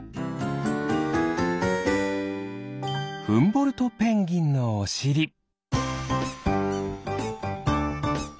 フンボルトペンギンのおしり。